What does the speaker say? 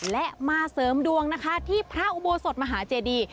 และมาเสริมดวงนะคะที่พระอุโบสถมหาเจดี